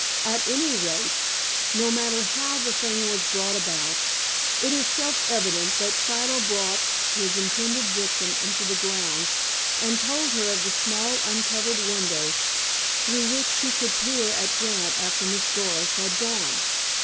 At any rate, no matter how the thing was brought about, it is self evident that Siddle brought his intended victim into the grounds, and told her of the small uncovered window through which she could peer at Grant after Miss Doris had gone.